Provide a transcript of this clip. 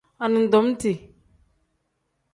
Anidomiti.